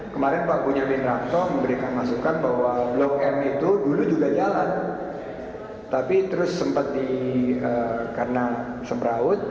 kemarin pak bunyamin rato memberikan masukan bahwa blok m itu dulu juga jalan tapi terus sempat dikarenakan semraut